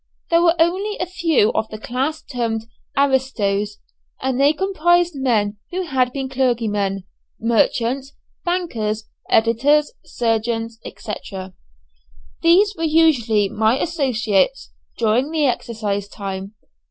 There were only a few of the class termed "aristoes," and they comprised men who had been clergymen, merchants, bankers, editors, surgeons, &c. These were usually my associates during the exercise time.